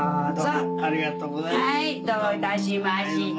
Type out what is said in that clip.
ありがとうございます。